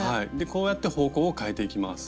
こうやって方向を変えていきます。